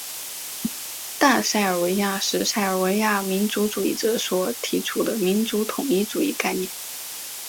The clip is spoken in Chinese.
大塞尔维亚是塞尔维亚民族主义者所提出的民族统一主义概念。